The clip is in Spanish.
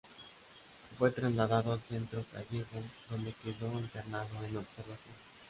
Fue trasladado al Centro Gallego, donde quedó internado en observación.